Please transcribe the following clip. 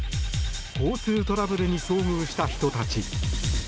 交通トラブルに遭遇した人たち。